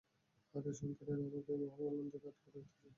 আমার এই সন্তানরা আমাকে এই মহাকল্যাণ থেকে আটকে রাখতে চায়।